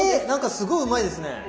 なんかすごいうまいですね。